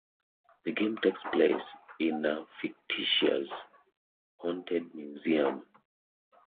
The game takes place in a fictitious haunted museum.